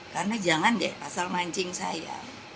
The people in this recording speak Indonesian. karena jangan deh asal mancing saya